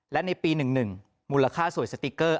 และในปี๑๑มูลค่าสวยสติ๊กเกอร์